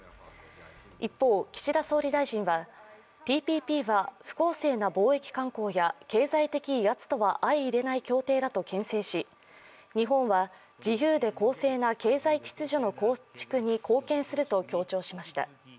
一方、岸田総理大臣はＴＰＰは不公正な貿易慣行や経済的威圧とは相いれない協定だとけん制し日本は自由で公正な経済秩序の構築に貢献すると強調しました。